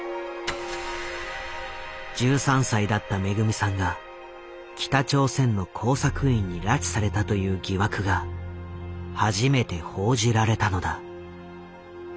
１３歳だっためぐみさんが北朝鮮の工作員に拉致されたという疑惑が初めて報じられたのだ。